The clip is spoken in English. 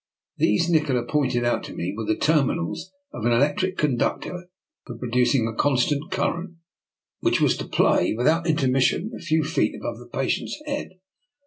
These, as Nikola pointed out to me, were the terminals of an electric conductor for producing a constant current, which was to play without intermission a few feet above the patient's head.